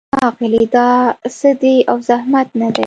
ساقي وویل نه اغلې دا څه دي او زحمت نه دی.